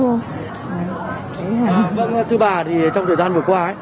vâng thưa bà thì trong thời gian vừa qua ấy